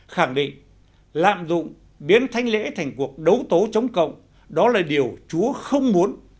khẳng định lạm dụng biến thanh lễ thành cuộc đấu tố chống cộng đó là điều chúa không muốn